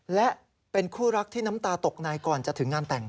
และเป็นคู่รักที่น้ำตาตกในก่อนจะถึงงานแต่ง